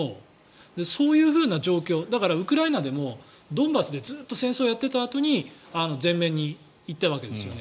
そういう状況だからウクライナでもドンバスでずっと戦争やってたあとに全面に行ったわけですよね。